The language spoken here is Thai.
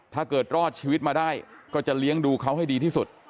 ถ้าเกิดรอดชีวิตมาได้ก็จะเลี้ยงดูเขาให้ดีที่สุด